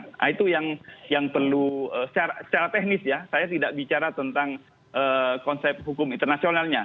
nah itu yang perlu secara teknis ya saya tidak bicara tentang konsep hukum internasionalnya